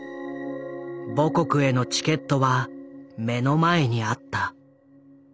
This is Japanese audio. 母国へのチケットは目の前にあった。